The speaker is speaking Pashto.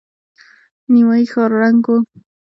نيمايي ښار ړنګ و.